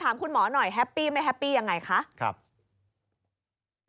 ถามคุณหมอหน่อยแฮปปี้ไม่แฮปปี้อย่างไรคะ